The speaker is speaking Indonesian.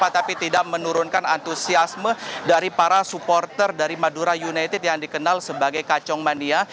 tapi tidak menurunkan antusiasme dari para supporter dari madura united yang dikenal sebagai kacang mandia